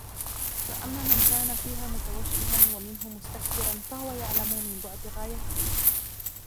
فَأَمَّا مَنْ كَانَ فِيهِ مُتَوَجِّهًا وَمِنْهُ مُسْتَكْثِرًا فَهُوَ يَعْلَمُ مِنْ بُعْدِ غَايَتِهِ